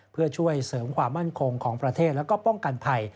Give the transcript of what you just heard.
เพื่อช่วยเสริมความมั่นคงของประเทศและก็ป้องกันภัย